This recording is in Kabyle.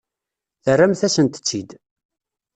Terramt-asent-tt-id.